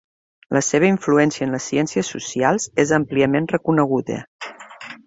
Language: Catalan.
La seva influència en les ciències socials és àmpliament reconeguda.